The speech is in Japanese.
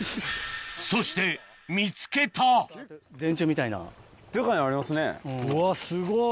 そして見つけたうわすごい！